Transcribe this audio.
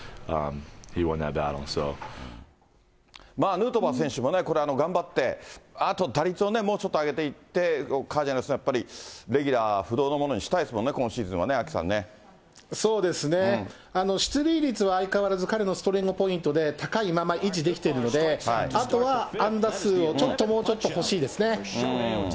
ヌートバー選手もね、頑張ってあと打率をもうちょっと上げていって、カージナルスのレギュラー不動のものにしたいですもんね、そうですね、出塁率は相変わらず彼のストリングポイントで、高いまま維持できてるので、あとは安打数をちょっと、もうちょっと欲しいですね。